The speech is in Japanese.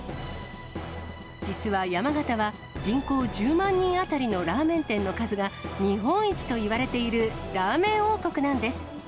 実は山形は、人口１０万人当たりのラーメン店の数が日本一といわれているラーメン王国なんです。